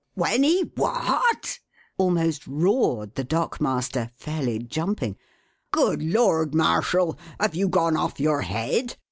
"When he what?" almost roared the dock master, fairly jumping. "Good lord, Marshall, have you gone off your head?